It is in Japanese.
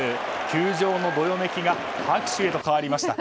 球場のどよめきが拍手へと変わりました。